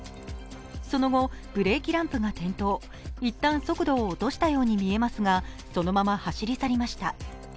その後、ブレーキランプが点灯、一旦、速度を落としたように見えますが、そのまま走り去りました。